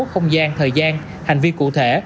không gian thời gian hành vi cụ thể